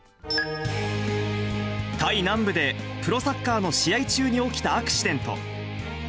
タイ南部で、プロサッカーの試合中に起きたアクシデント。